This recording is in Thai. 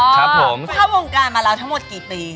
เข้าวงการมาเราทั้งหมดกี่ปี